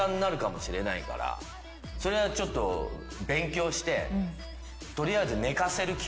それはちょっと勉強して。